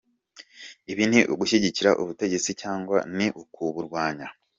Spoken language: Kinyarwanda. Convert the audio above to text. Ibi ni ugushyigikira ubutegetsi cyangwa ni ukuburwanya?